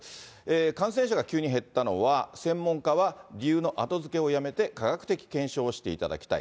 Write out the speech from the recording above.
感染者が急に減ったのは、専門家は理由の後付けをやめて科学的検証をしていただきたい。